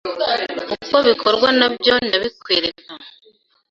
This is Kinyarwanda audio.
Uko bikorwa nabyo ndabikwereka